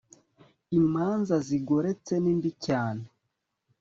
imanza zigoretse nimbi cyane